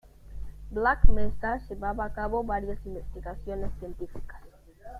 Black Mesa llevaba a cabo varias investigaciones científicas.